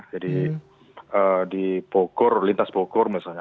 jadi di pokor lintas pokor misalnya